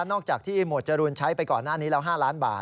อกจากที่หมวดจรูนใช้ไปก่อนหน้านี้แล้ว๕ล้านบาท